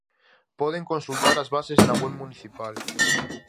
Poden consultar as bases na web municipal.